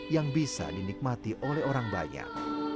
yang bisa dinikmati oleh orang banyak